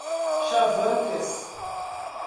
Chavantes